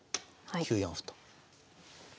９四歩と。